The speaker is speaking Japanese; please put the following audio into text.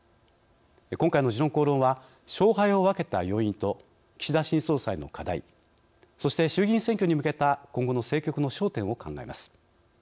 今回の「時論公論」は勝敗を分けた要因と岸田新総裁の課題そして衆議院選挙に向けた今後の政局の焦点を考えます。